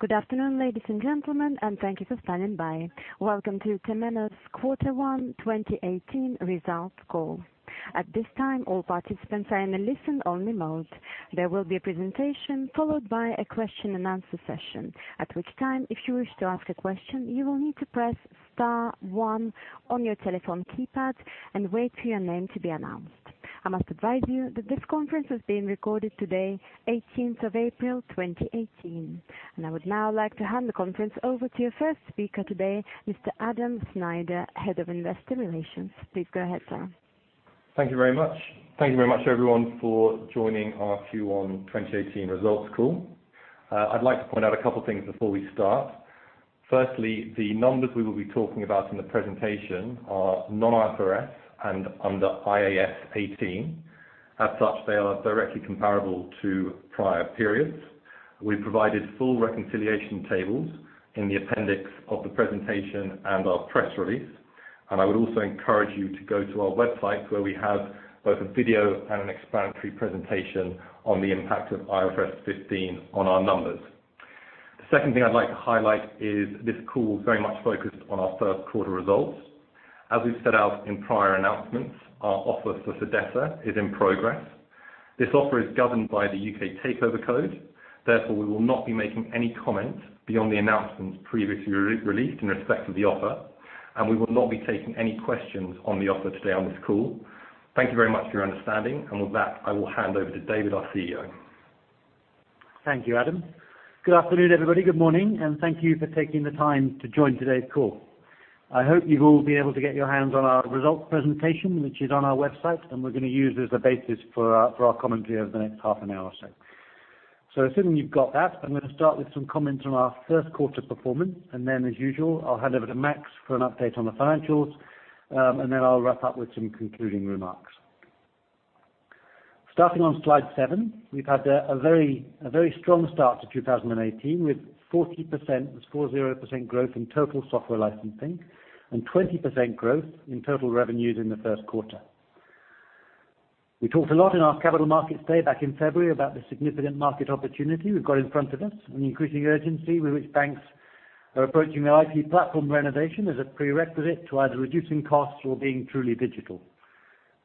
Good afternoon, ladies and gentlemen, thank you for standing by. Welcome to Temenos quarter one 2018 results call. At this time, all participants are in a listen-only mode. There will be a presentation followed by a question-and-answer session, at which time, if you wish to ask a question, you will need to press star one on your telephone keypad and wait for your name to be announced. I must advise you that this conference is being recorded today, 18th of April, 2018. I would now like to hand the conference over to your first speaker today, Mr. Adam Snyder, Head of Investor Relations. Please go ahead, sir. Thank you very much. Thank you very much, everyone, for joining our Q1 2018 results call. I'd like to point out a couple things before we start. Firstly, the numbers we will be talking about in the presentation are non-IFRS and under IAS 18. As such, they are directly comparable to prior periods. We've provided full reconciliation tables in the appendix of the presentation and our press release, I would also encourage you to go to our website, where we have both a video and an explanatory presentation on the impact of IFRS 15 on our numbers. The second thing I'd like to highlight is this call is very much focused on our first quarter results. As we've set out in prior announcements, our offer for Fidessa is in progress. This offer is governed by the U.K. Takeover Code, therefore, we will not be making any comment beyond the announcements previously released in respect of the offer. We will not be taking any questions on the offer today on this call. Thank you very much for your understanding. With that, I will hand over to David, our CEO. Thank you, Adam. Good afternoon, everybody. Good morning, thank you for taking the time to join today's call. I hope you've all been able to get your hands on our results presentation, which is on our website. We're going to use as the basis for our commentary over the next half an hour or so. Assuming you've got that, I'm going to start with some comments on our first quarter performance. Then, as usual, I'll hand over to Max for an update on the financials. Then I'll wrap up with some concluding remarks. Starting on slide seven, we've had a very strong start to 2018 with 40%, that's 40%, growth in total software licensing and 20% growth in total revenues in the first quarter. We talked a lot in our Capital Markets Day back in February about the significant market opportunity we've got in front of us and the increasing urgency with which banks are approaching their IT platform renovation as a prerequisite to either reducing costs or being truly digital.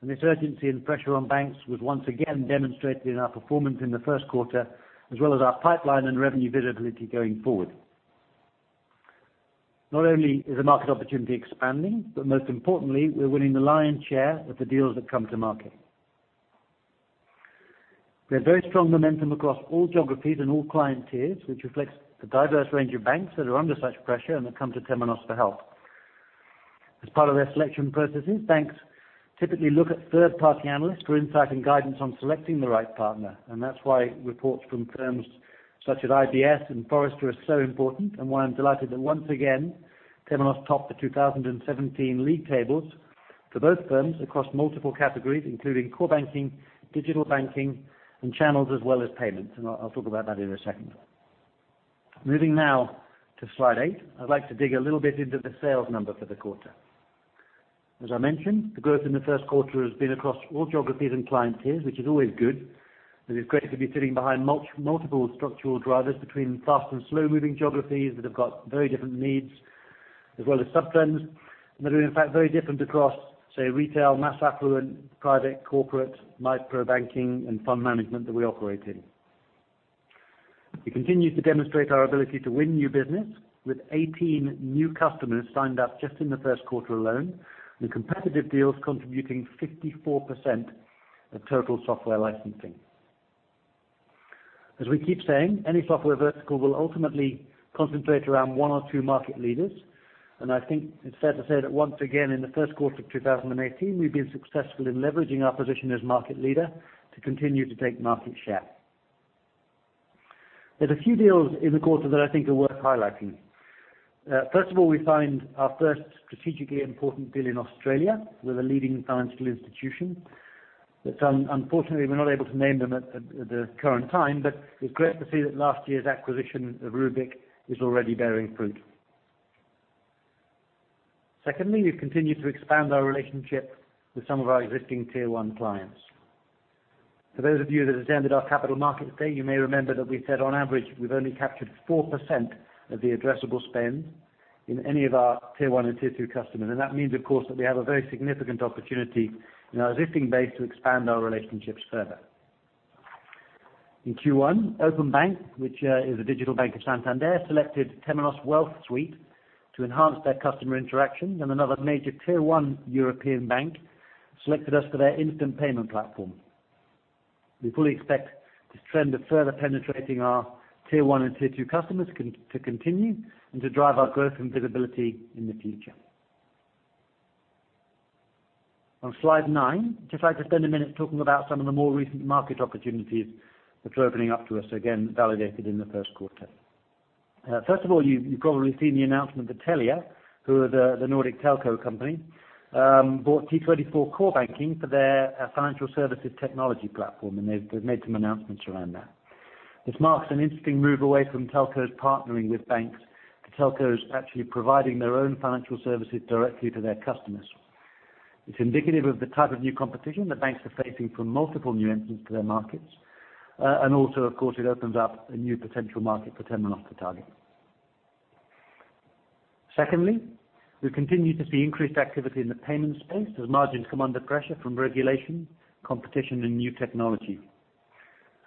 This urgency and pressure on banks was once again demonstrated in our performance in the first quarter, as well as our pipeline and revenue visibility going forward. Not only is the market opportunity expanding, but most importantly, we're winning the lion's share of the deals that come to market. We have very strong momentum across all geographies and all client tiers, which reflects the diverse range of banks that are under such pressure and that come to Temenos for help. As part of their selection processes, banks typically look at third-party analysts for insight and guidance on selecting the right partner. That is why reports from firms such as IBS and Forrester are so important, and why I am delighted that once again, Temenos topped the 2017 league tables for both firms across multiple categories, including core banking, digital banking, and channels, as well as payments. I will talk about that in a second. Moving now to slide eight. I would like to dig a little bit into the sales number for the quarter. As I mentioned, the growth in the first quarter has been across all geographies and client tiers, which is always good. It is great to be sitting behind multiple structural drivers between fast and slow-moving geographies that have got very different needs as well as subtrends that are, in fact, very different across, say, retail, mass affluent, private, corporate, micro banking, and fund management that we operate in. We continue to demonstrate our ability to win new business with 18 new customers signed up just in the first quarter alone, and competitive deals contributing 54% of total software licensing. As we keep saying, any software vertical will ultimately concentrate around one or two market leaders. I think it is fair to say that once again in the first quarter of 2018, we have been successful in leveraging our position as market leader to continue to take market share. There are a few deals in the quarter that I think are worth highlighting. First of all, we signed our first strategically important deal in Australia with a leading financial institution, that unfortunately, we are not able to name them at the current time, but it is great to see that last year's acquisition of Rubik is already bearing fruit. Secondly, we have continued to expand our relationship with some of our existing tier 1 clients. For those of you that attended our Capital Markets Day, you may remember that we said on average, we have only captured 4% of the addressable spend in any of our tier 1 and tier 2 customers. That means, of course, that we have a very significant opportunity in our existing base to expand our relationships further. In Q1, Openbank, which is a digital bank of Santander, selected Temenos Wealth Suite to enhance their customer interaction, and another major tier 1 European bank selected us for their instant payment platform. We fully expect this trend of further penetrating our tier 1 and tier 2 customers to continue and to drive our growth and visibility in the future. On slide nine, just like to spend a minute talking about some of the more recent market opportunities that are opening up to us, again, validated in the first quarter. First of all, you've probably seen the announcement that Telia, who are the Nordic telco company, bought T24 Core Banking for their financial services technology platform, and they've made some announcements around that. This marks an interesting move away from telcos partnering with banks to telcos actually providing their own financial services directly to their customers. It's indicative of the type of new competition that banks are facing from multiple new entrants to their markets. Also, of course, it opens up a new potential market for Temenos to target. Secondly, we continue to see increased activity in the payment space as margins come under pressure from regulation, competition, and new technology.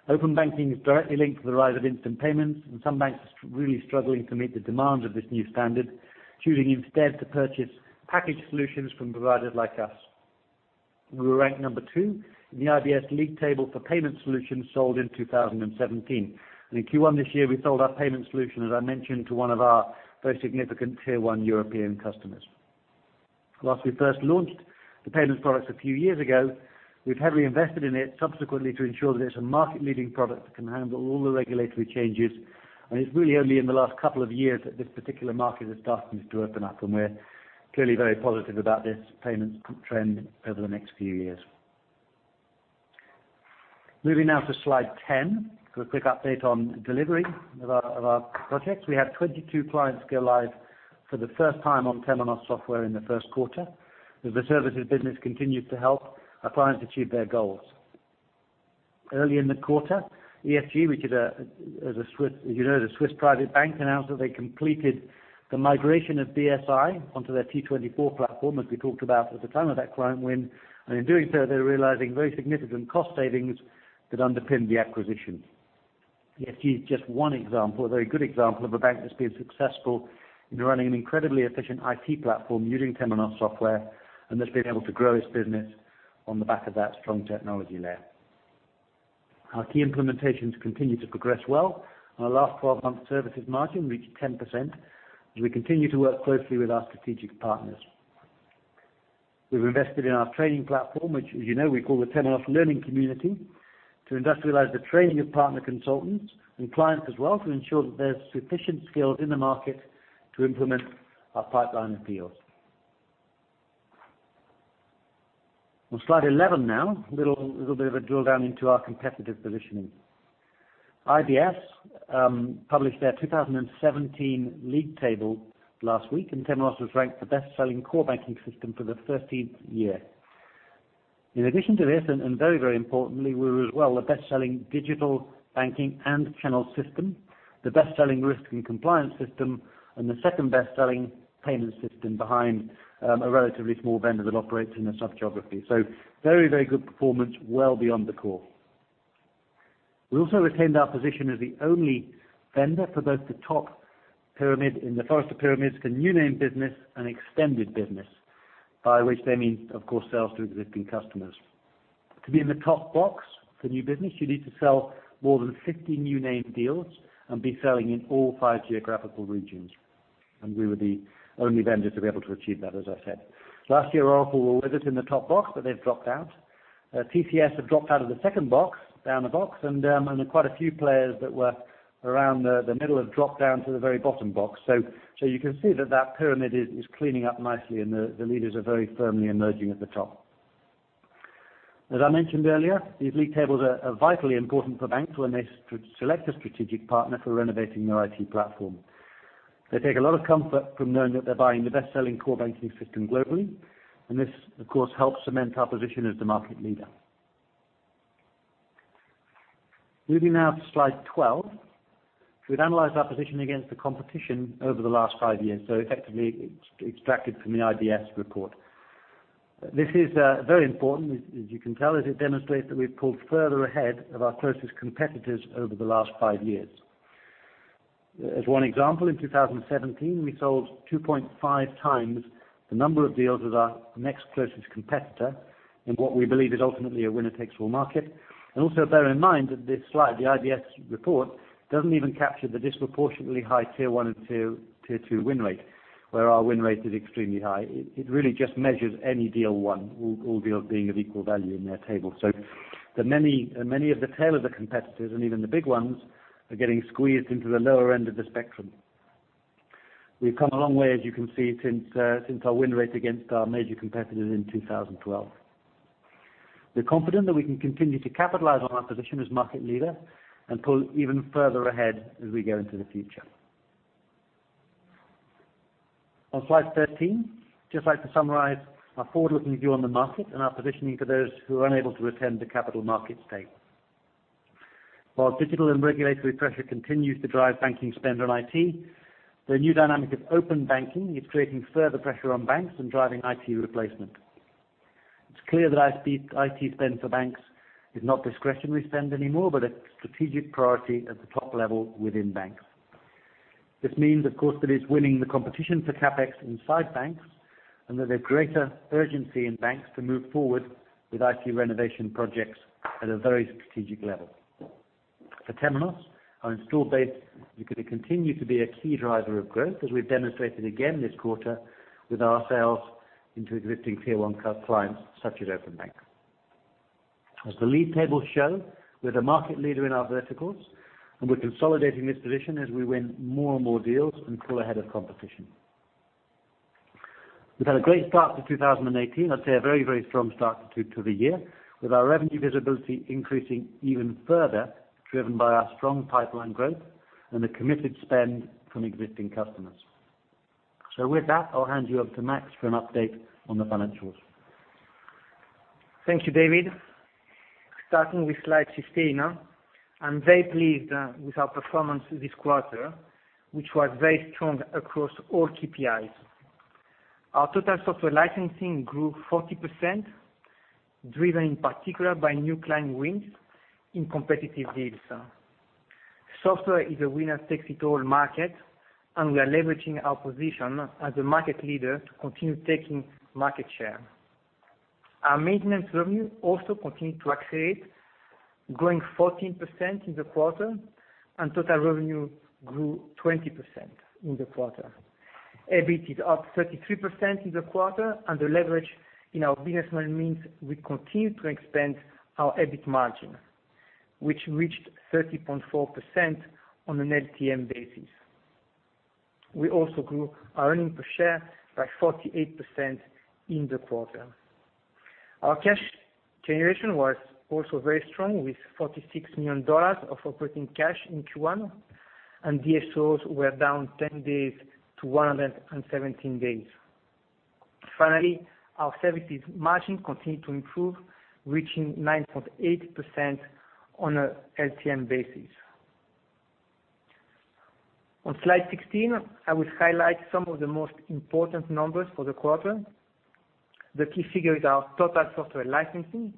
Open banking is directly linked to the rise of instant payments, and some banks are really struggling to meet the demands of this new standard, choosing instead to purchase package solutions from providers like us. We were ranked number two in the IBS league table for payment solutions sold in 2017. In Q1 this year, we sold our payment solution, as I mentioned, to one of our very significant tier 1 European customers. Last we first launched the payments products a few years ago. We've heavily invested in it subsequently to ensure that it's a market-leading product that can handle all the regulatory changes, and it's really only in the last couple of years that this particular market has started to open up, and we're clearly very positive about this payments trend over the next few years. Moving now to slide 10. For a quick update on delivery of our projects. We had 22 clients go live for the first time on Temenos software in the first quarter. The services business continues to help our clients achieve their goals. Early in the quarter, EFG, which as you know, is a Swiss private bank, announced that they completed the migration of BSI onto their T24 platform, as we talked about at the time of that client win. In doing so, they're realizing very significant cost savings that underpin the acquisition. EFG is just one example, a very good example, of a bank that's been successful in running an incredibly efficient IT platform using Temenos software and that's been able to grow its business on the back of that strong technology layer. Our key implementations continue to progress well, and our last 12 months services margin reached 10% as we continue to work closely with our strategic partners. We've invested in our training platform, which as you know, we call the Temenos Learning Community, to industrialize the training of partner consultants and clients as well to ensure that there's sufficient skills in the market to implement our pipeline of deals. On slide 11 now, a little bit of a drill down into our competitive positioning. IBS published their 2017 league table last week, and Temenos was ranked the best-selling core banking system for the 13th year. In addition to this, and very importantly, we were as well the best-selling digital banking and channel system, the best-selling risk and compliance system, and the second best-selling payment system behind a relatively small vendor that operates in a sub-geography. Very good performance well beyond the core. We also retained our position as the only vendor for both the top pyramid in the Forrester pyramids for new name business and extended business, by which they mean, of course, sales to existing customers. To be in the top box for new business, you need to sell more than 50 new name deals and be selling in all five geographical regions, we were the only vendors to be able to achieve that, as I said. Last year, Oracle were with us in the top box, they've dropped out. TCS have dropped out of the second box, down a box, there are quite a few players that were around the middle have dropped down to the very bottom box. You can see that that pyramid is cleaning up nicely, the leaders are very firmly emerging at the top. As I mentioned earlier, these league tables are vitally important for banks when they select a strategic partner for renovating their IT platform. They take a lot of comfort from knowing that they're buying the best-selling core banking system globally, this, of course, helps cement our position as the market leader. Moving now to slide 12. We've analyzed our position against the competition over the last five years, effectively extracted from the IBS report. This is very important, as you can tell, as it demonstrates that we've pulled further ahead of our closest competitors over the last five years. As one example, in 2017, we sold 2.5 times the number of deals with our next closest competitor in what we believe is ultimately a winner-takes-all market. Also bear in mind that this slide, the IBS report, doesn't even capture the disproportionately high tier 1 and tier 2 win rate, where our win rate is extremely high. It really just measures any deal won, all deals being of equal value in their table. Many of the tail of the competitors, and even the big ones, are getting squeezed into the lower end of the spectrum. We've come a long way, as you can see, since our win rate against our major competitors in 2012. We're confident that we can continue to capitalize on our position as market leader and pull even further ahead as we go into the future. On slide 13, just like to summarize our forward-looking view on the market and our positioning to those who are unable to attend the capital markets day. While digital and regulatory pressure continues to drive banking spend on IT, the new dynamic of open banking is creating further pressure on banks and driving IT replacement. It's clear that IT spend for banks is not discretionary spend anymore but a strategic priority at the top level within banks. This means, of course, that it is winning the competition for CapEx inside banks and that there's greater urgency in banks to move forward with IT renovation projects at a very strategic level. For Temenos, our install base is going to continue to be a key driver of growth, as we've demonstrated again this quarter with our sales into existing tier-1 clients such as Openbank. As the lead tables show, we're the market leader in our verticals, and we're consolidating this position as we win more and more deals and pull ahead of competition. We've had a great start to 2018. I'd say a very strong start to the year. With our revenue visibility increasing even further, driven by our strong pipeline growth. The committed spend from existing customers. With that, I'll hand you over to Max for an update on the financials. Thank you, David. Starting with slide 15, I'm very pleased with our performance this quarter, which was very strong across all KPIs. Our total software licensing grew 40%, driven in particular by new client wins in competitive deals. Software is a winner-takes-it-all market, and we are leveraging our position as a market leader to continue taking market share. Our maintenance revenue also continued to accelerate, growing 14% in the quarter, and total revenue grew 20% in the quarter. EBIT is up 33% in the quarter, and the leverage in our business model means we continue to expand our EBIT margin, which reached 30.4% on an LTM basis. We also grew our earnings per share by 48% in the quarter. Our cash generation was also very strong, with $46 million of operating cash in Q1, and DSOs were down 10 days to 117 days. Finally, our services margin continued to improve, reaching 9.8% on a LTM basis. On slide 16, I will highlight some of the most important numbers for the quarter. The key figure is our total software licensing,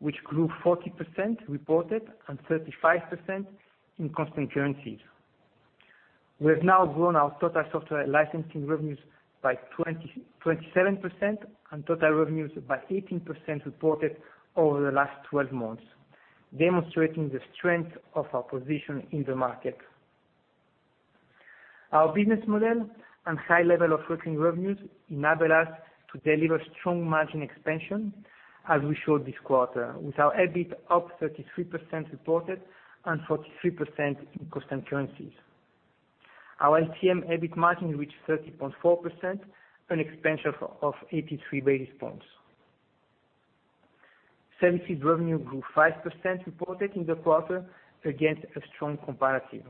which grew 40% reported and 35% in constant currencies. We have now grown our total software licensing revenues by 27% and total revenues by 18% reported over the last 12 months, demonstrating the strength of our position in the market. Our business model and high level of working revenues enable us to deliver strong margin expansion as we showed this quarter, with our EBIT up 33% reported and 43% in constant currencies. Our LTM EBIT margin reached 30.4%, an expansion of 83 basis points. Services revenue grew 5% reported in the quarter against a strong comparative.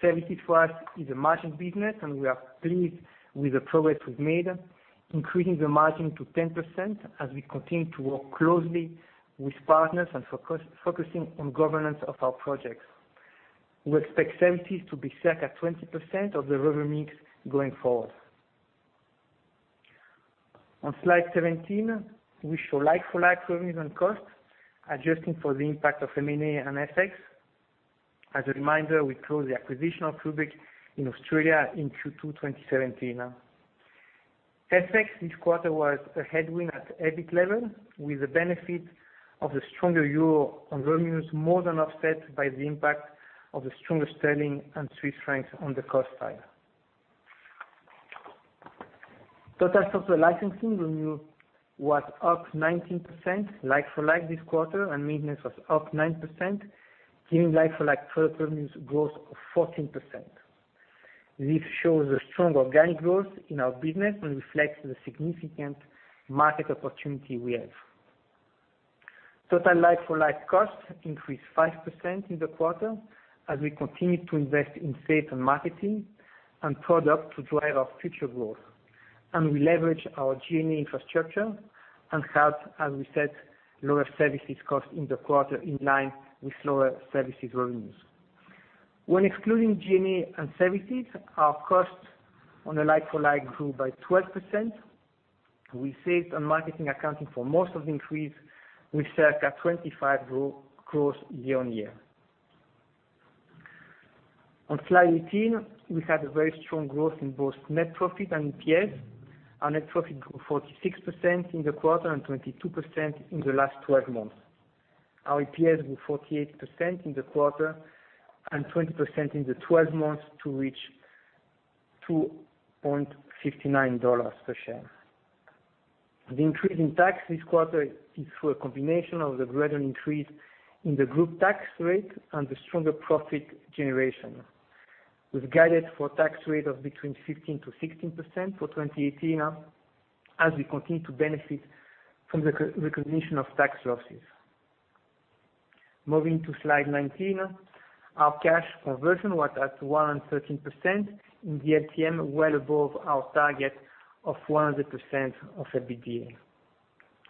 Services for us is a margin business, and we are pleased with the progress we've made, increasing the margin to 10% as we continue to work closely with partners and focusing on governance of our projects. We expect services to be circa 20% of the revenue mix going forward. On slide 17, we show like-for-like revenues and costs, adjusting for the impact of M&A and FX. As a reminder, we closed the acquisition of Rubik in Australia in Q2 2017. FX this quarter was a headwind at the EBIT level, with the benefit of the stronger euro on revenues more than offset by the impact of the stronger sterling and Swiss francs on the cost side. Total software licensing revenue was up 19% like for like this quarter, and maintenance was up 9%, giving like-for-like total revenues growth of 14%. This shows the strong organic growth in our business and reflects the significant market opportunity we have. Total like-for-like costs increased 5% in the quarter as we continued to invest in sales and marketing and product to drive our future growth. We leveraged our GME infrastructure and had, as we said, lower services cost in the quarter in line with lower services revenues. When excluding GME and services, our costs on a like for like grew by 12%. We saved on marketing accounting for most of the increase with circa 25% growth year on year. On slide 18, we had a very strong growth in both net profit and EPS. Our net profit grew 46% in the quarter and 22% in the last 12 months. Our EPS grew 48% in the quarter and 20% in the 12 months to reach $2.59 per share. The increase in tax this quarter is through a combination of the gradual increase in the group tax rate and the stronger profit generation. We've guided for a tax rate of between 15%-16% for 2018 as we continue to benefit from the recognition of tax losses. Moving to slide 19. Our cash conversion was at 113% in the LTM, well above our target of 100% of EBITDA.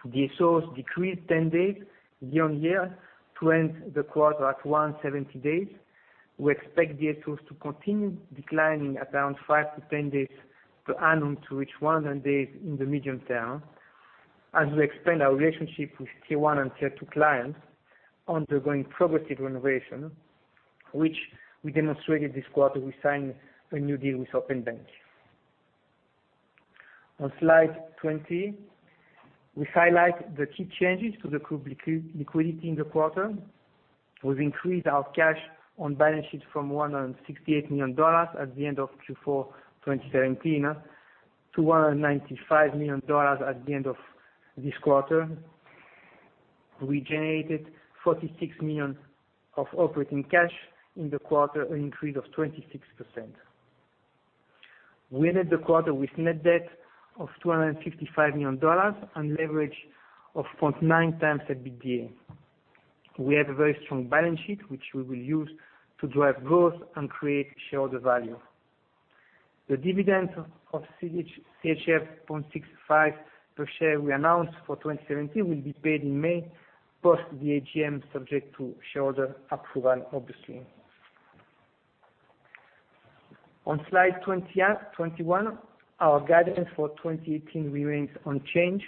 DSOs decreased 10 days year on year to end the quarter at 170 days. We expect DSOs to continue declining at around five to 10 days to annual to reach 100 days in the medium term as we expand our relationship with Tier 1 and Tier 2 clients undergoing progressive renovation, which we demonstrated this quarter. We signed a new deal with Openbank. On slide 20, we highlight the key changes to the group liquidity in the quarter. We've increased our cash on balance sheet from $168 million at the end of Q4 2017 to $195 million at the end of this quarter. We generated $46 million of operating cash in the quarter, an increase of 26%. We ended the quarter with net debt of $255 million and leverage of 0.9 times EBITDA. We have a very strong balance sheet, which we will use to drive growth and create shareholder value. The dividend of CHF 0.65 per share we announced for 2017 will be paid in May, post the AGM, subject to shareholder approval, obviously. On slide 21, our guidance for 2018 remains unchanged.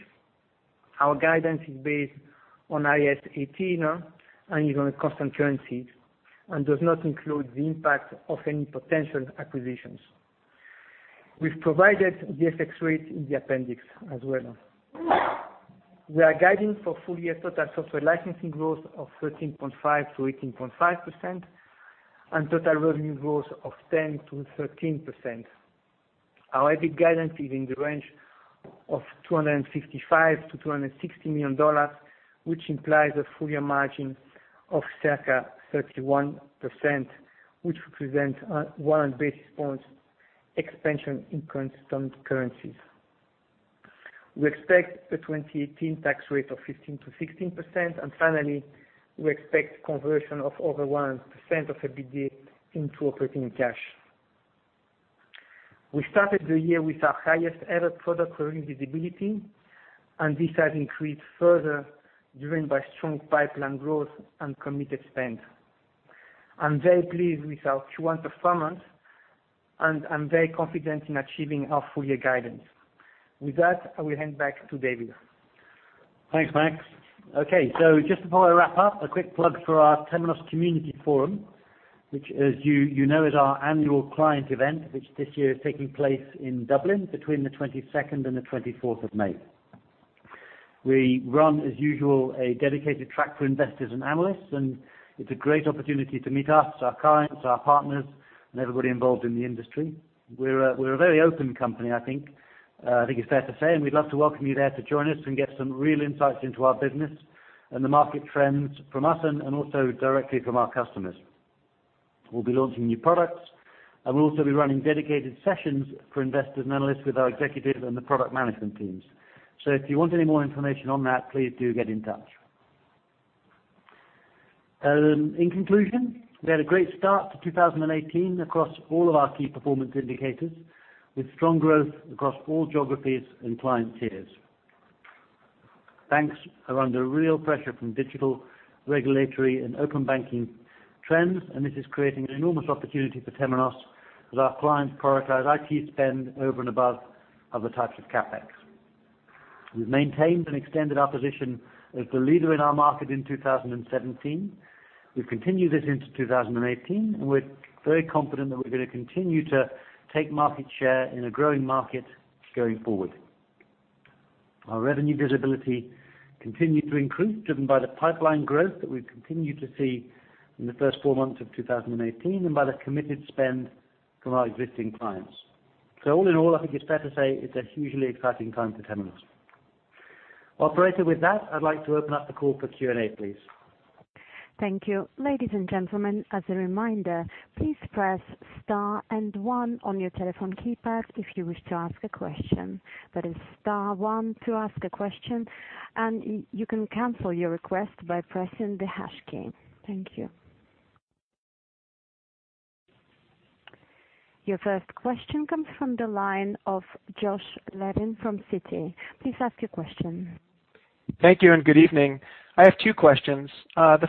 Our guidance is based on IAS 18 and is on a constant currency, does not include the impact of any potential acquisitions. We've provided the FX rate in the appendix as well. We are guiding for full-year total software licensing growth of 13.5%-18.5%, total revenue growth of 10%-13%. Our EBIT guidance is in the range of $255 million-$260 million, which implies a full-year margin of circa 31%, which represents 100 basis points expansion in constant currencies. We expect a 2018 tax rate of 15%-16%, finally, we expect conversion of over 100% of EBITDA into operating cash. We started the year with our highest-ever product revenue visibility, and this has increased further, driven by strong pipeline growth and committed spend. I'm very pleased with our Q1 performance, I'm very confident in achieving our full-year guidance. With that, I will hand back to David. Thanks, Max. Just before I wrap up, a quick plug for our Temenos Community Forum, which as you know, is our annual client event, which this year is taking place in Dublin between the 22nd and the 24th of May. We run, as usual, a dedicated track for investors and analysts. It's a great opportunity to meet us, our clients, our partners, and everybody involved in the industry. We're a very open company, I think it's fair to say. We'd love to welcome you there to join us and get some real insights into our business and the market trends from us and also directly from our customers. We'll be launching new products. We'll also be running dedicated sessions for investors and analysts with our executive and the product management teams. If you want any more information on that, please do get in touch. In conclusion, we had a great start to 2018 across all of our KPIs, with strong growth across all geographies and client tiers. Banks are under real pressure from digital, regulatory, and open banking trends. This is creating an enormous opportunity for Temenos as our clients prioritize IT spend over and above other types of CapEx. We've maintained and extended our position as the leader in our market in 2017. We've continued this into 2018. We're very confident that we're going to continue to take market share in a growing market going forward. Our revenue visibility continued to improve, driven by the pipeline growth that we've continued to see in the first four months of 2018 and by the committed spend from our existing clients. All in all, I think it's fair to say it's a hugely exciting time for Temenos. Operator, with that, I'd like to open up the call for Q&A, please. Thank you. Ladies and gentlemen, as a reminder, please press star and one on your telephone keypad if you wish to ask a question. That is star one to ask a question. You can cancel your request by pressing the hash key. Thank you. Your first question comes from the line of Josh Levin from Citi. Please ask your question. Thank you and good evening. I have two questions.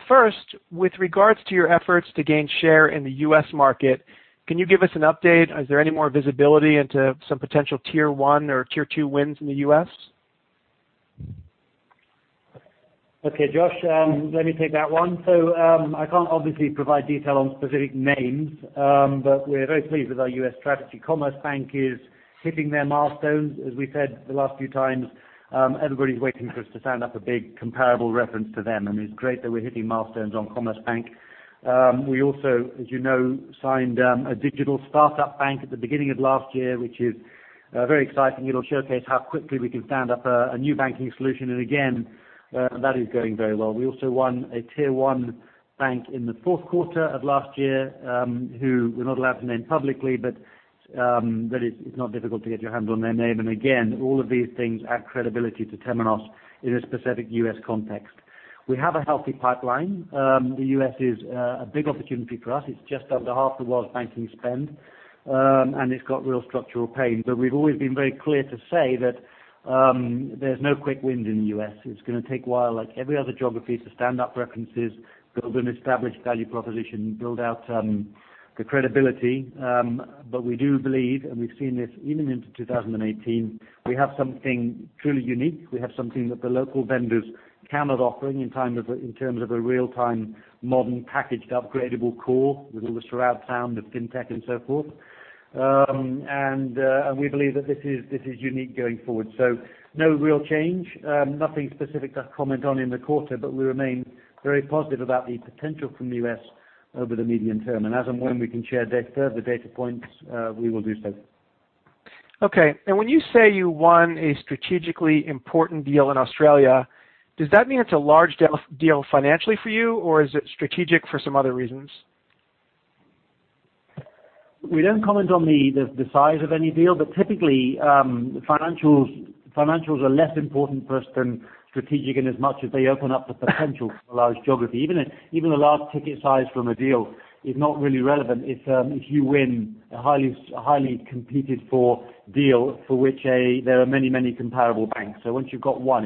First, with regards to your efforts to gain share in the U.S. market, can you give us an update? Is there any more visibility into some potential tier 1 or tier 2 wins in the U.S.? Okay, Josh, let me take that one. I can't obviously provide detail on specific names, but we're very pleased with our U.S. strategy. Commerzbank is hitting their milestones. As we said the last few times, everybody's waiting for us to stand up a big comparable reference to them, it's great that we're hitting milestones on Commerzbank. We also, as you know, signed a digital startup bank at the beginning of last year, which is very exciting. It'll showcase how quickly we can stand up a new banking solution. Again, that is going very well. We also won a tier 1 bank in the fourth quarter of last year, who we're not allowed to name publicly, but it's not difficult to get your hands on their name. Again, all of these things add credibility to Temenos in a specific U.S. context. We have a healthy pipeline. The U.S. is a big opportunity for us. It's just under half the world's banking spend, it's got real structural pain. We've always been very clear to say that there's no quick win in the U.S. It's going to take a while, like every other geography, to stand up references, build an established value proposition, build out the credibility. We do believe, we've seen this even into 2018, we have something truly unique. We have something that the local vendors cannot offer in terms of a real-time modern packaged upgradable core with all this throughout town of FinTech and so forth. We believe that this is unique going forward. No real change. Nothing specific to comment on in the quarter, we remain very positive about the potential from the U.S. over the medium term. As and when we can share further data points, we will do so. Okay. When you say you won a strategically important deal in Australia, does that mean it's a large deal financially for you, or is it strategic for some other reasons? We don't comment on the size of any deal, typically, financials are less important for us than strategic in as much as they open up the potential for a large geography. Even the large ticket size from a deal is not really relevant if you win a highly competed for deal for which there are many comparable banks. Once you've got one,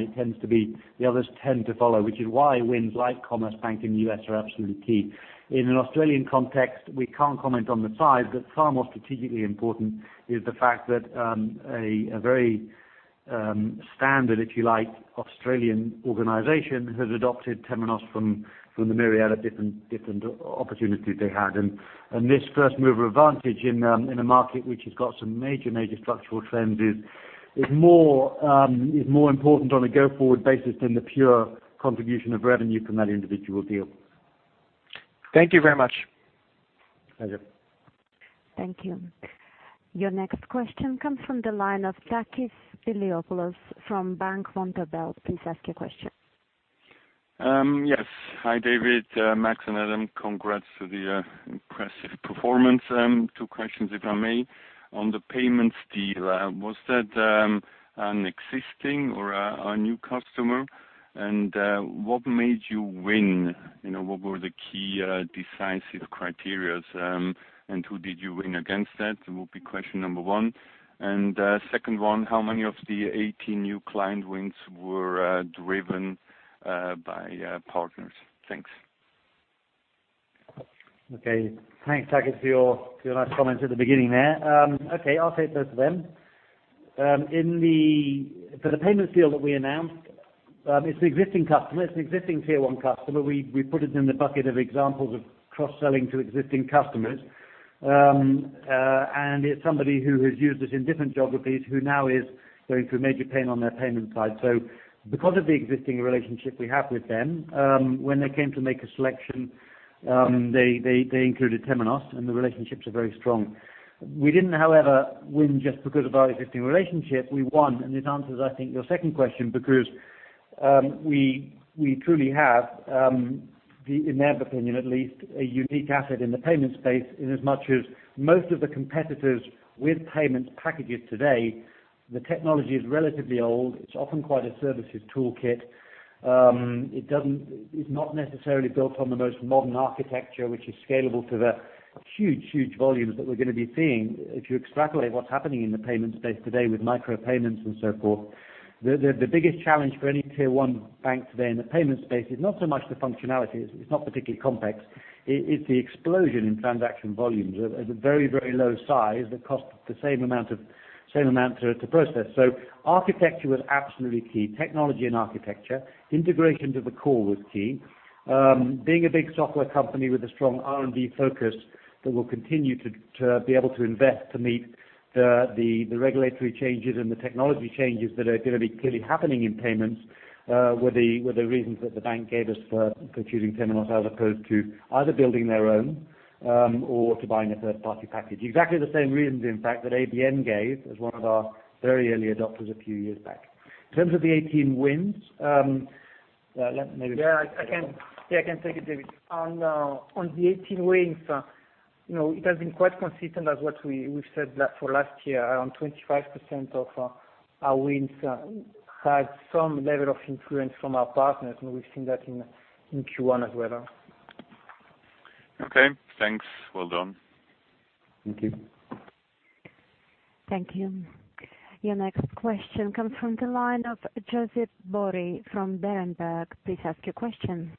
the others tend to follow, which is why wins like Commerzbank in the U.S. are absolutely key. In an Australian context, we can't comment on the size, but far more strategically important is the fact that a very standard, if you like, Australian organization has adopted Temenos from the myriad of different opportunities they had. This first-mover advantage in a market which has got some major structural trends is more important on a go-forward basis than the pure contribution of revenue from that individual deal. Thank you very much. Pleasure. Thank you. Your next question comes from the line of Takis Spiliopoulos from Bank Vontobel. Please ask your question. Yes. Hi, David, Max, and Adam. Congrats to the impressive performance. Two questions, if I may. On the payments deal, was that an existing or a new customer, and what made you win? What were the key decisive criteria, and who did you win against that? That will be question number one. Second one, how many of the 18 new client wins were driven by partners? Thanks. Okay. Thanks, Takis, for your nice comments at the beginning there. Okay, I'll take both of them. For the payments deal that we announced, it's an existing Tier 1 customer. We put it in the bucket of examples of cross-selling to existing customers. It's somebody who has used us in different geographies who now is going through major pain on their payment side. Because of the existing relationship we have with them, when they came to make a selection, they included Temenos, and the relationships are very strong. We didn't, however, win just because of our existing relationship. We won, and this answers, I think, your second question, because we truly have, in their opinion at least, a unique asset in the payments space inasmuch as most of the competitors with payments packages today, the technology is relatively old. It's often quite a services toolkit. It's not necessarily built on the most modern architecture, which is scalable to the huge volumes that we're going to be seeing if you extrapolate what's happening in the payments space today with micropayments and so forth. The biggest challenge for any Tier 1 bank today in the payments space is not so much the functionality. It's not particularly complex. It's the explosion in transaction volumes at a very low size that costs the same amount to process. Architecture was absolutely key. Technology and architecture. Integration to the core was key. Being a big software company with a strong R&D focus that will continue to be able to invest to meet the regulatory changes and the technology changes that are going to be clearly happening in payments were the reasons that the bank gave us for choosing Temenos as opposed to either building their own or to buying a third-party package. Exactly the same reasons, in fact, that ABN gave as one of our very early adopters a few years back. In terms of the 18 wins. Yeah, I can take it, David. On the 18 wins, it has been quite consistent as what we've said for last year. Around 25% of our wins had some level of influence from our partners, and we've seen that in Q1 as well. Okay, thanks. Well done. Thank you. Thank you. Your next question comes from the line of Josep Bori from Berenberg. Please ask your question.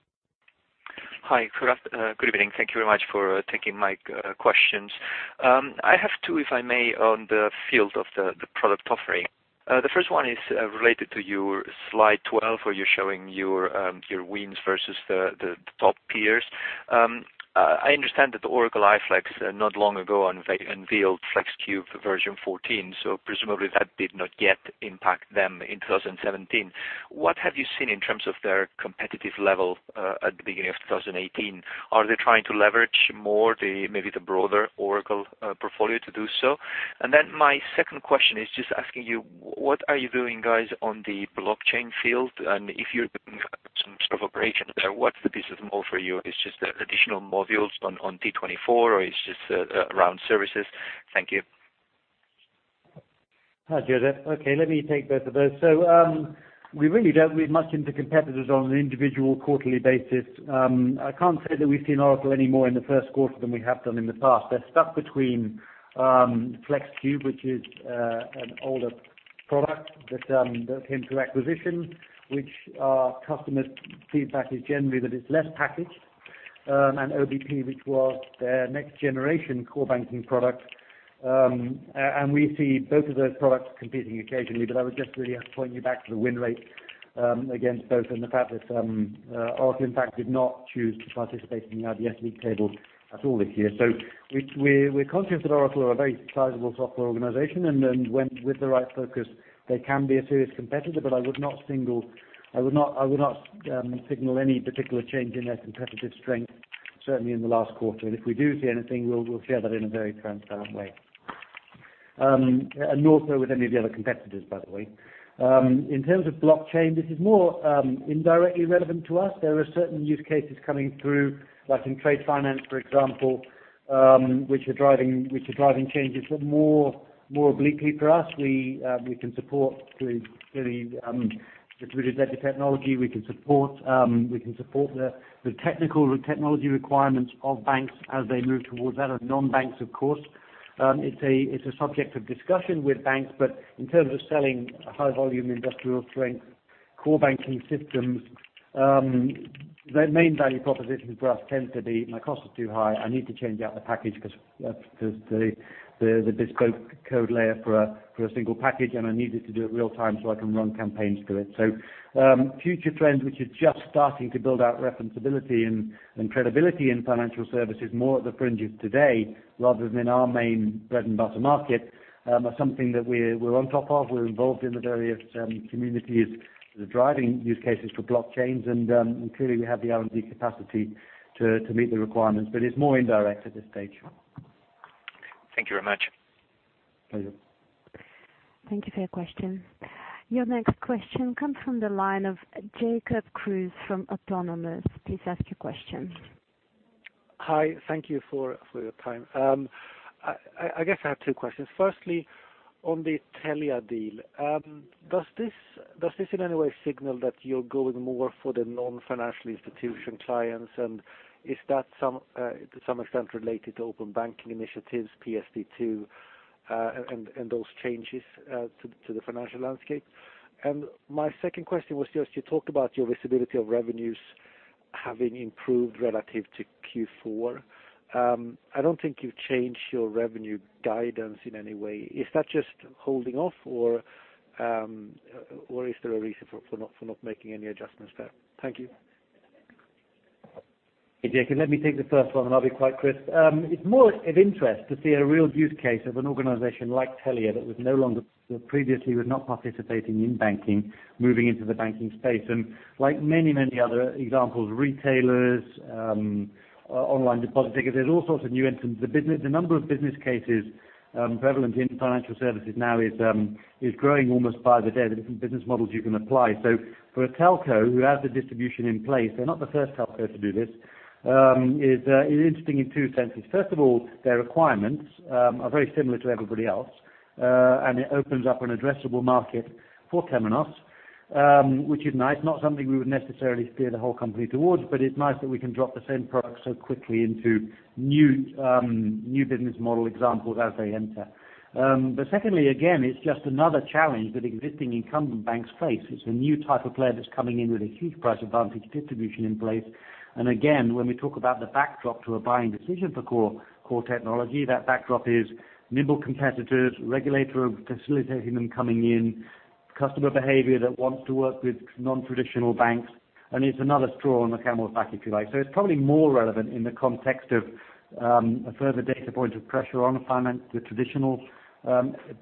Hi. Good evening. Thank you very much for taking my questions. I have two, if I may, on the field of the product offering. The first one is related to your slide 12, where you're showing your wins versus the top peers. I understand that Oracle FLEXCUBE not long ago unveiled FLEXCUBE version 14, so presumably that did not yet impact them in 2017. What have you seen in terms of their competitive level at the beginning of 2018? Are they trying to leverage more maybe the broader Oracle portfolio to do so? My second question is just asking you, what are you doing, guys, on the blockchain field? If you're doing some sort of operation there, what's the business model for you? It's just additional modules on T24, or it's just around services? Thank you. Hi, Josep. Okay, let me take both of those. We really don't read much into competitors on an individual quarterly basis. I can't say that we've seen Oracle any more in the first quarter than we have done in the past. They're stuck between FLEXCUBE, which is an older product that came through acquisition, which our customers' feedback is generally that it's less packaged, and OBP, which was their next-generation core banking product. We see both of those products competing occasionally. I would just really have to point you back to the win rate against both and the fact that Oracle, in fact, did not choose to participate in the IBS League table at all this year. We're conscious that Oracle are a very sizable software organization, and when with the right focus, they can be a serious competitor. I would not signal any particular change in their competitive strength certainly in the last quarter. If we do see anything, we'll share that in a very transparent way. Also with any of the other competitors, by the way. In terms of blockchain, this is more indirectly relevant to us. There are certain use cases coming through, like in trade finance, for example, which are driving changes, but more obliquely for us. We can support the distributed ledger technology. We can support the technical technology requirements of banks as they move towards that, and non-banks of course. It's a subject of discussion with banks, but in terms of selling high-volume, industrial-strength core banking systems, the main value propositions for us tend to be, my cost is too high, I need to change out the package because the bespoke code layer for a single package, and I need it to do it real time so I can run campaigns through it. Future trends which are just starting to build out referencability and credibility in financial services, more at the fringes today rather than in our main bread-and-butter market, are something that we're on top of. We're involved in the various communities that are driving use cases for blockchains and clearly we have the R&D capacity to meet the requirements, but it's more indirect at this stage. Thank you very much. Pleasure. Thank you for your question. Your next question comes from the line of Jacob Kruse from Autonomous. Please ask your question. Hi. Thank you for your time. I guess I have two questions. Firstly, on the Telia deal, does this in any way signal that you're going more for the non-financial institution clients, and is that to some extent related to open banking initiatives, PSD2, and those changes to the financial landscape? My second question was just, you talked about your visibility of revenues having improved relative to Q4. I don't think you've changed your revenue guidance in any way. Is that just holding off or is there a reason for not making any adjustments there? Thank you. Hey, Jacob, let me take the first one. I'll be quite crisp. It's more of interest to see a real use case of an organization like Telia that previously was not participating in banking, moving into the banking space. Like many other examples, retailers, online deposit takers, there's all sorts of new entrants. The number of business cases prevalent in financial services now is growing almost by the day, the different business models you can apply. For a telco who has the distribution in place, they're not the first telco to do this. It's interesting in two senses. First of all, their requirements are very similar to everybody else, and it opens up an addressable market for Temenos, which is nice. Not something we would necessarily steer the whole company towards, it's nice that we can drop the same product so quickly into new business model examples as they enter. Secondly, again, it's just another challenge that existing incumbent banks face. It's a new type of player that's coming in with a huge price advantage and distribution in place. Again, when we talk about the backdrop to a buying decision for core technology, that backdrop is nimble competitors, regulator facilitating them coming in, customer behavior that wants to work with non-traditional banks, and it's another straw on the camel's back, if you like. It's probably more relevant in the context of a further data point of pressure on the traditional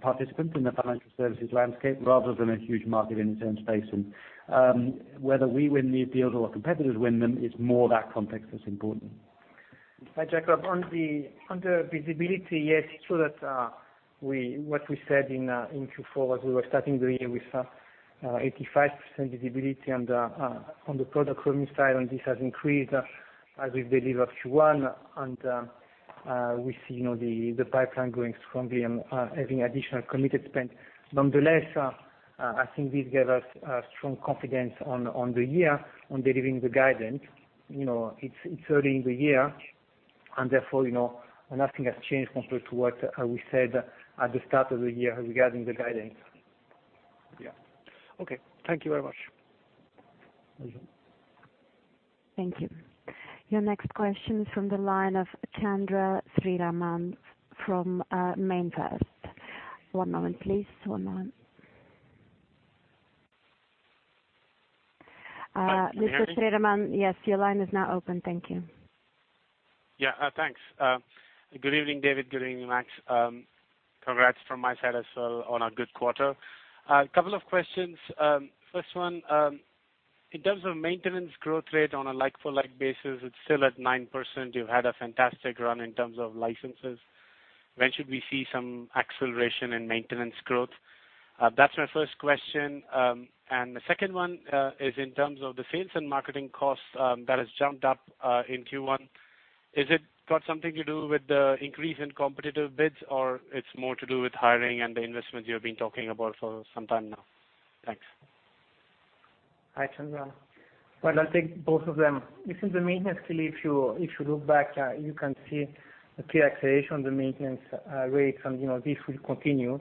participants in the financial services landscape rather than a huge market in its own space. Whether we win these deals or competitors win them, it's more that context that's important. Hi, Jacob. On the visibility, yes, it's true that what we said in Q4 was we were starting the year with 85% visibility on the product room side. This has increased as we've delivered Q1. We see the pipeline growing strongly and having additional committed spend. Nonetheless, I think this gave us strong confidence on the year on delivering the guidance. It's early in the year, therefore nothing has changed compared to what we said at the start of the year regarding the guidance. Yeah. Okay. Thank you very much. Pleasure. Thank you. Your next question is from the line of Chandra Sriraman from MainFirst. One moment, please. One moment. Can you hear me? Mr. Sriraman, yes, your line is now open. Thank you. Thanks. Good evening, David. Good evening, Max. Congrats from my side as well on a good quarter. A couple of questions. First one, in terms of maintenance growth rate on a like-for-like basis, it's still at 9%. You've had a fantastic run in terms of licenses. When should we see some acceleration in maintenance growth? That's my first question. The second one is in terms of the sales and marketing costs that has jumped up in Q1. Is it got something to do with the increase in competitive bids, or it's more to do with hiring and the investment you've been talking about for some time now? Thanks. Hi, Chandra. I'll take both of them. Within the maintenance, clearly, if you look back, you can see a clear acceleration of the maintenance rates, and this will continue.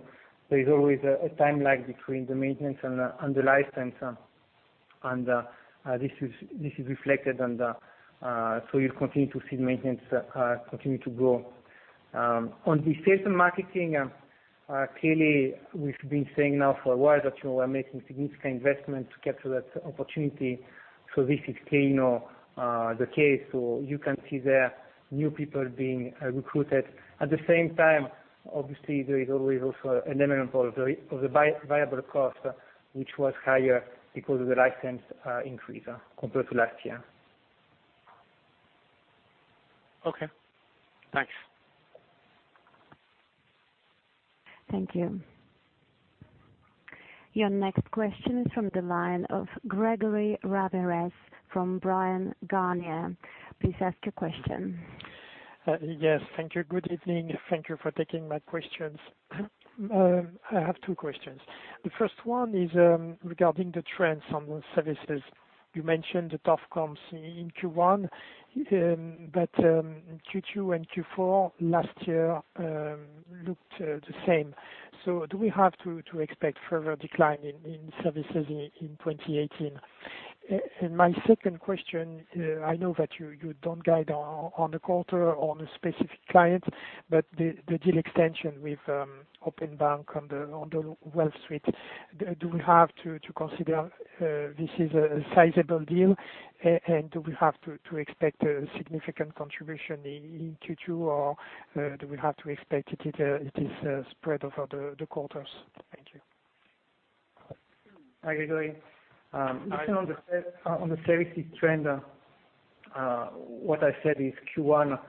There is always a time lag between the maintenance and the license, and this is reflected. You'll continue to see maintenance continue to grow. On the sales and marketing, clearly, we've been saying now for a while that we're making significant investment to capture that opportunity. This is clearly the case. You can see there new people being recruited. At the same time, obviously, there is always also an element of the variable cost, which was higher because of the license increase compared to last year. Okay. Thanks. Thank you. Your next question is from the line of Gregory Ramirez from Bryan, Garnier. Please ask your question. Yes, thank you. Good evening. Thank you for taking my questions. I have two questions. The first one is regarding the trends on those services. You mentioned the tough comps in Q1, but Q2 and Q4 last year looked the same. Do we have to expect further decline in services in 2018? My second question, I know that you don't guide on the quarter on a specific client, but the deal extension with Openbank on the Wealth Suite, do we have to consider this is a sizable deal? Do we have to expect a significant contribution in Q2, or do we have to expect it is spread over the quarters? Thank you. Hi, Gregory. Hi. On the services trend, what I said is Q1,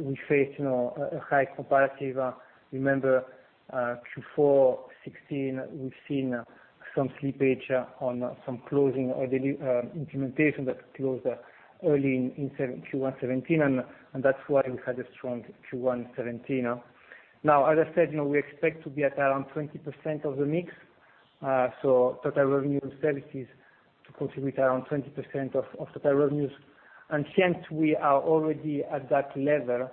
we faced a high comparative. Remember Q4 2016, we've seen some slippage on some closing or the implementation that closed early in Q1 2017, and that's why we had a strong Q1 2017. Now, as I said, we expect to be at around 20% of the mix, so total revenue services to contribute around 20% of total revenues. Since we are already at that level,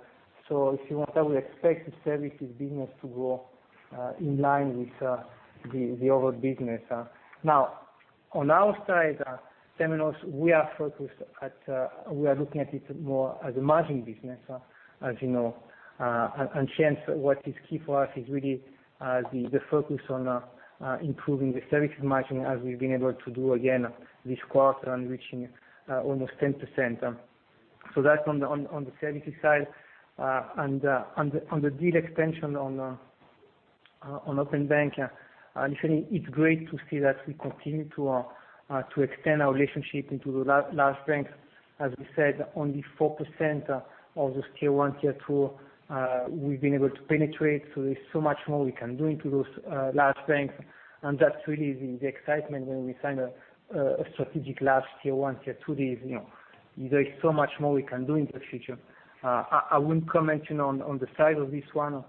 so if you want, I will expect the services business to grow in line with the overall business. Now, on our side, Temenos, we are looking at it more as a margin business. Since what is key for us is really the focus on improving the services margin as we've been able to do again this quarter and reaching almost 10%. That's on the services side. On the deal extension on Openbank, initially, it's great to see that we continue to extend our relationship into the large banks. As we said, only 4% of those Tier 1, Tier 2 we've been able to penetrate, so there's so much more we can do into those large banks, and that's really the excitement when we sign a strategic large Tier 1, Tier 2 deal. There is so much more we can do in the future. I wouldn't comment on the size of this one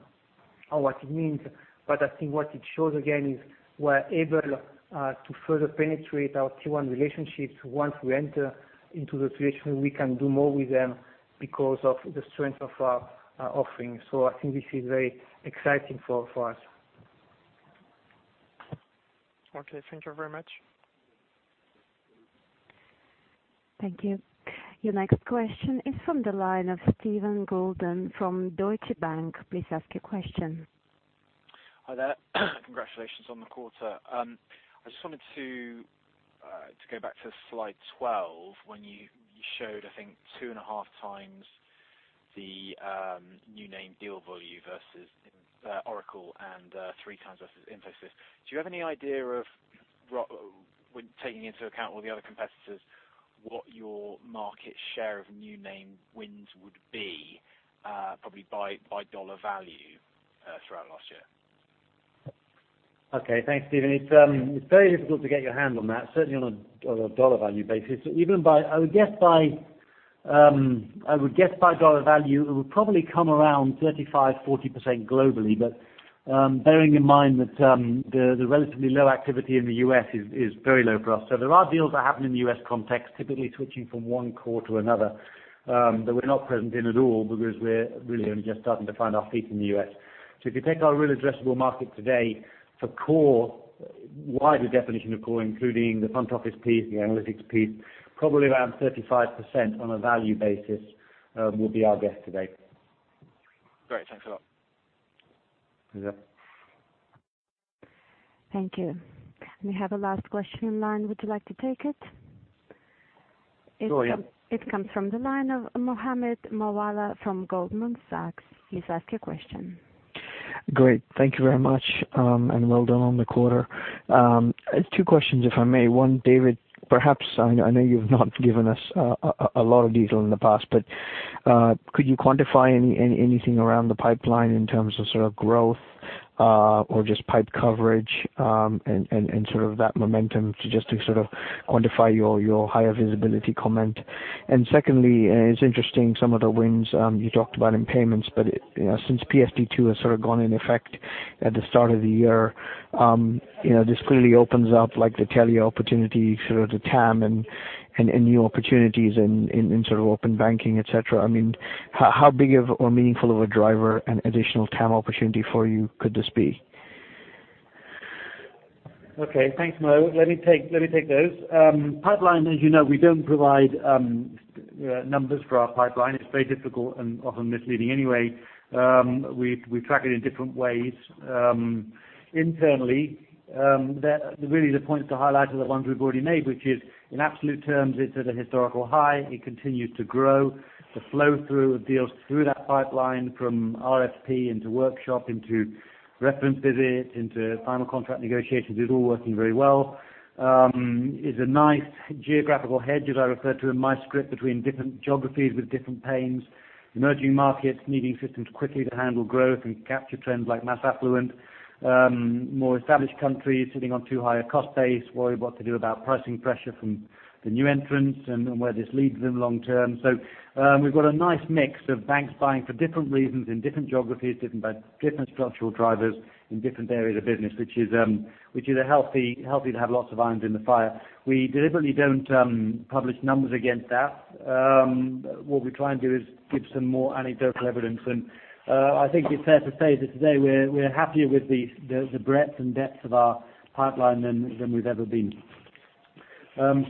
or what it means, but I think what it shows again is we're able to further penetrate our Tier 1 relationships once we enter into the situation where we can do more with them because of the strength of our offerings. I think this is very exciting for us. Okay. Thank you very much. Thank you. Your next question is from the line of Steve Goulden from Deutsche Bank. Please ask your question. Hi there. Congratulations on the quarter. I just wanted to go back to slide 12 when you showed, I think, 2.5x the new name deal volume versus Oracle and 3x versus Infosys. Do you have any idea of, when taking into account all the other competitors, what your market share of new name wins would be probably by dollar value throughout last year? Okay. Thanks, Steven. It's very difficult to get your hand on that, certainly on a dollar value basis. I would guess by dollar value, it would probably come around 35%-40% globally. Bearing in mind that the relatively low activity in the U.S. is very low for us. There are deals that happen in the U.S. context, typically switching from one core to another, that we're not present in at all because we're really only just starting to find our feet in the U.S. If you take our real addressable market today for core, wider definition of core, including the front office piece, the analytics piece, probably around 35% on a value basis would be our guess today. Great. Thanks a lot. Yeah. Thank you. We have a last question in line. Would you like to take it? Yeah. It comes from the line of Mohammed Moawalla from Goldman Sachs. Please ask your question. Great. Thank you very much, and well done on the quarter. Two questions if I may. One, David, perhaps, I know you've not given us a lot of detail in the past, but could you quantify anything around the pipeline in terms of growth or just pipe coverage, and that momentum to quantify your higher visibility comment? Secondly, it's interesting some of the wins you talked about in payments, but since PSD2 has gone in effect at the start of the year, this clearly opens up the telco opportunity, the TAM, and new opportunities in open banking, et cetera. How big of or meaningful of a driver and additional TAM opportunity for you could this be? Okay, thanks Mo. Let me take those. Pipeline, as you know, we don't provide numbers for our pipeline. It's very difficult and often misleading anyway. We track it in different ways internally. Really the points to highlight are the ones we've already made, which is in absolute terms, it's at a historical high. It continues to grow. The flow-through of deals through that pipeline from RFP into workshop, into reference visit, into final contract negotiations is all working very well. It's a nice geographical hedge, as I referred to in my script, between different geographies with different pains, emerging markets needing systems quickly to handle growth and capture trends like mass affluent. More established countries sitting on too high a cost base, worried what to do about pricing pressure from the new entrants and where this leads them long term. We've got a nice mix of banks buying for different reasons in different geographies, different structural drivers in different areas of business, which is healthy to have lots of irons in the fire. We deliberately don't publish numbers against that. What we try and do is give some more anecdotal evidence, and I think it's fair to say that today we're happier with the breadth and depth of our pipeline than we've ever been.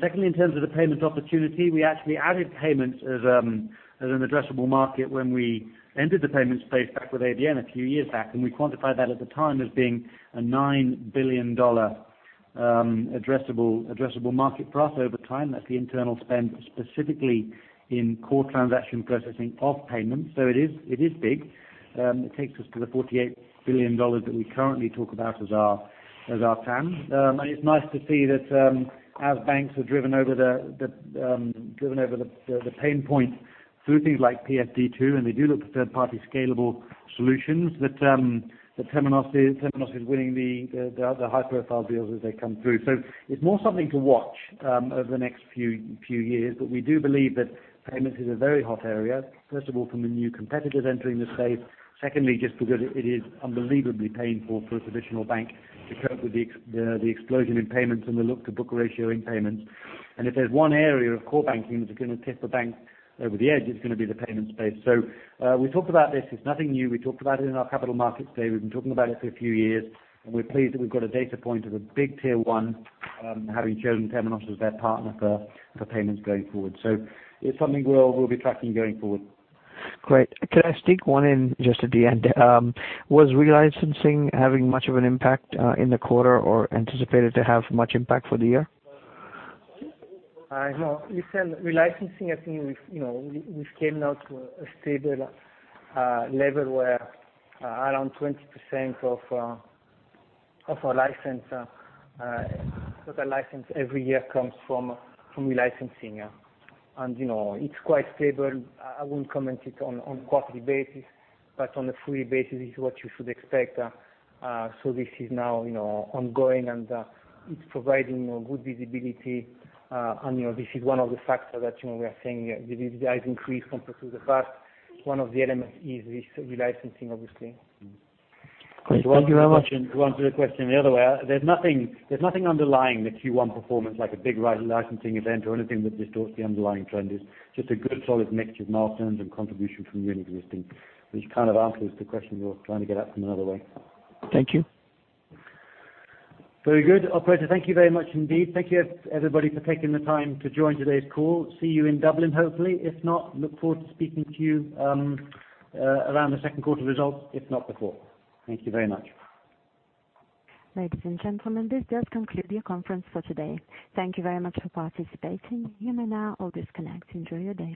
Secondly, in terms of the payment opportunity, we actually added payments as an addressable market when we entered the payments space back with ABN a few years back, and we quantified that at the time as being a $9 billion addressable market for us over time. That's the internal spend specifically in core transaction processing of payments. It is big. It takes us to the $48 billion that we currently talk about as our TAM. It's nice to see that as banks are driven over the pain point through things like PSD2, and they do look to third-party scalable solutions, that Temenos is winning the high-profile deals as they come through. It's more something to watch over the next few years. We do believe that payments is a very hot area. First of all, from the new competitors entering the space. Secondly, just because it is unbelievably painful for a traditional bank to cope with the explosion in payments and the look-to-book ratio in payments. If there's one area of core banking that's going to tip the bank over the edge, it's going to be the payments space. We talked about this, it's nothing new. We talked about it in our Capital Markets Day. We've been talking about it for a few years. We're pleased that we've got a data point of a big tier 1 having chosen Temenos as their partner for payments going forward. It's something we'll be tracking going forward. Great. Could I stick one in just at the end? Was relicensing having much of an impact in the quarter or anticipated to have much impact for the year? No. Listen, relicensing, I think we've came now to a stable level where around 20% of a license every year comes from relicensing. It's quite stable. I won't comment it on quarterly basis, but on a fully basis, it's what you should expect. This is now ongoing, and it's providing good visibility. This is one of the factors that we are saying visibility has increased compared to the past. One of the elements is this relicensing, obviously. Great. Thank you very much. To answer your question the other way, there's nothing underlying the Q1 performance like a big relicensing event or anything that distorts the underlying trend. It's just a good solid mixture of milestones and contribution from new and existing, which kind of answers the question you were trying to get at from another way. Thank you. Very good. Operator, thank you very much indeed. Thank you everybody for taking the time to join today's call. See you in Dublin hopefully. If not, look forward to speaking to you around the second quarter results, if not before. Thank you very much. Ladies and gentlemen, this does conclude your conference for today. Thank you very much for participating. You may now all disconnect. Enjoy your day.